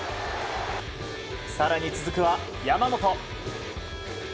更に続くは山本。